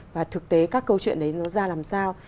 và thực tế các câu chuyện đấy nó ra làm sao